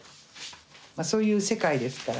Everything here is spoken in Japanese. そういう世界ですから。